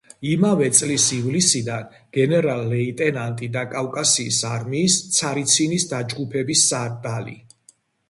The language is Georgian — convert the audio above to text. იმავე წლის ივლისიდან გენერალ-ლეიტენანტი და კავკასიის არმიის ცარიცინის დაჯგუფების სარალი.